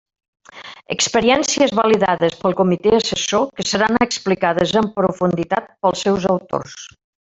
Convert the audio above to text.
Experiències validades pel comitè assessor que seran explicades en profunditat pels seus autors.